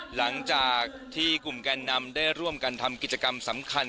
หลังจากที่กลุ่มแกนนำได้ร่วมกันทำกิจกรรมสำคัญ